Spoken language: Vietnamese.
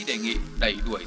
đề nghị đẩy đuổi